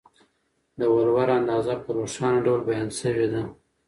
د ولور اندازه په روښانه ډول بیان سوې ده.